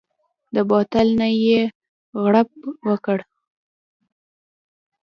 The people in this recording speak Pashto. د بوتل نه يې غړپ وکړ.